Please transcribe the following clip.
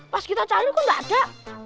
pas kita cari kan gak ada